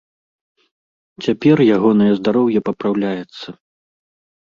Цяпер ягонае здароўе папраўляецца.